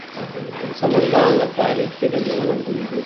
سمنګان د تاريخي ډبرو وطن دی.